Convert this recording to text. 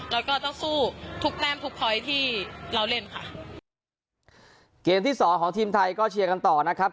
แล้วก็ต้องสู้ทุกแรมทุกพ้อยที่เราเล่นค่ะเกมที่สองของทีมไทยก็เชียร์กันต่อนะครับ